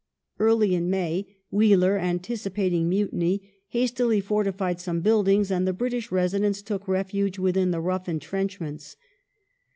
Early in May, Wheeler, anticipating mutiny, hastily fortified some buildings, and the British residents took refuge within the rough entrenchments.